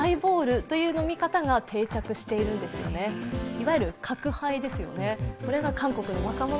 いわゆる角ハイですよね。